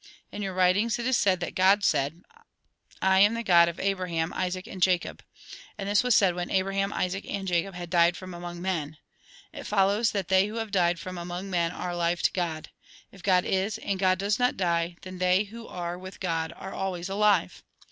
In your writings, it is said that God said :' I am the God of Abraham, Isaac, and Jacob.' And this was said when Abraham, Isaac, and Jacob had died from among men. It follows, that they who have died from among men are alive to God. If God is, and God does not die, then they who are with God are always alive.